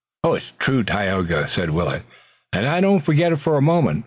"It's true, Tayoga," said Willet, "and I don't forget it for a moment.